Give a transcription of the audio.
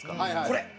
これ。